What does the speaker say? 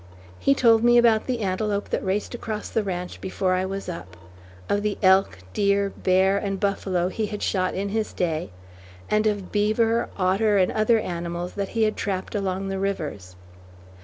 He told me about the antelope that raced across the ranch before I was up; of the elk, deer, bear, and buffalo he had shot in his day; and of beaver, otter, and other animals that he had trapped along the rivers.